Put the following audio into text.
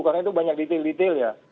karena itu banyak detail detail ya